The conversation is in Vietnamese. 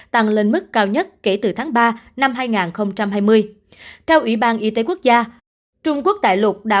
tăng lên mức cao nhất kể từ tháng ba năm hai nghìn hai mươi theo ủy ban y tế quốc gia trung quốc đại lục đã